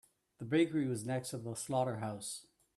The bakery was next to the slaughterhouse.